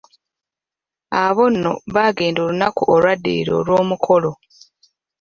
Abo nno baagenda olunaku olwaddirira olw'omukolo.